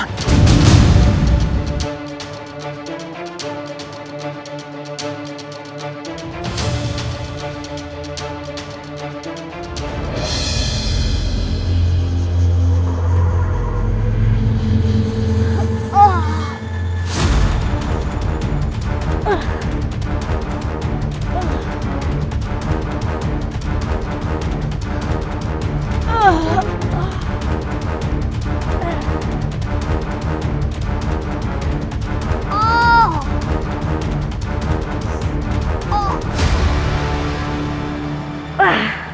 aku akan menangkap dia